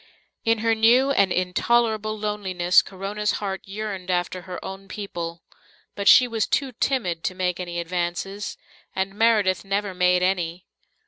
In her new and intolerable loneliness Corona's heart yearned after her own people. But she was too timid to make any advances, and Meredith never made any.